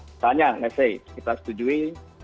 misalnya let's say kita setujui